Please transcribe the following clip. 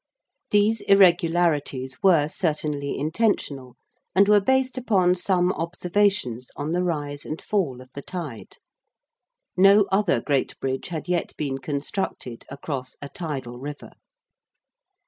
These irregularities were certainly intentional and were based upon some observations on the rise and fall of the tide. No other great Bridge had yet been constructed across a tidal river.